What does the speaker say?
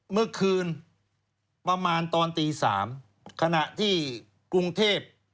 เมื่อคืนประมาณตอนตี๓ขณะที่กรุงเทพ